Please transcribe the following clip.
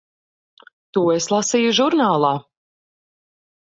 To es lasīju žurnālā.